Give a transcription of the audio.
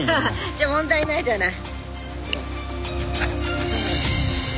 じゃあ問題ないじゃない。